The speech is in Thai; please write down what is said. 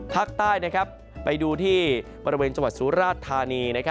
ภาคใต้ไปดูที่บริเวณจังหวัดสุราชธานี